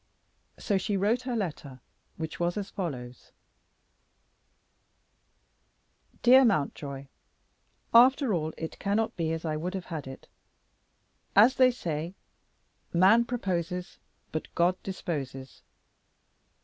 So she wrote her letter, which was as follows: "Dear Mountjoy, After all it cannot be as I would have had it. As they say, 'Man proposes, but God disposes.'